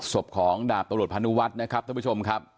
ศพของดาบตำรวจพานุวัฒน์นะครับท่านผู้ชมครับ